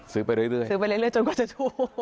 ซื้อไปเรื่อยจนกว่าจะถูก